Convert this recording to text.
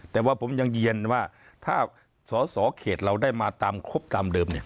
แต่ว่าผมยังเย็นว่าถ้าสอสอเขตเราได้มาตามครบตามเดิมเนี่ย